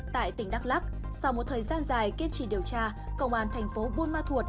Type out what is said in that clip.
tại tỉnh đắk lắc sau một thời gian dài kiên trì điều tra công an thành phố buôn ma thuột